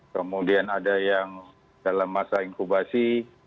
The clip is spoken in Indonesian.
kemudian ada yang dalam masa inkubasi